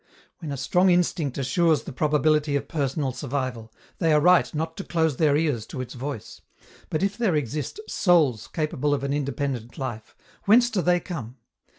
When a strong instinct assures the probability of personal survival, they are right not to close their ears to its voice; but if there exist "souls" capable of an independent life, whence do they come?